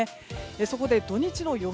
そこで土日の予想